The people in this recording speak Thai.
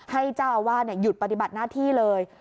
ให้เจ้าอาวาสหยุดปฏิบัติหน้าที่เลย